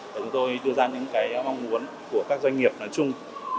để chúng tôi đưa ra những cái mong muốn của các doanh nghiệp nói chung